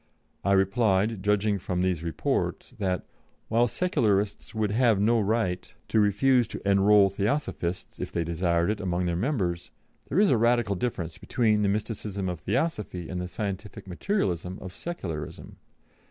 I replied, judging from these reports, that "while Secularists would have no right to refuse to enrol Theosophists, if they desired it, among their members, there is a radical difference between the mysticism of Theosophy and the scientific materialism of Secularism.